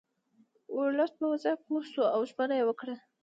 ورلسټ په وضع پوه شو او ژمنه یې وکړه.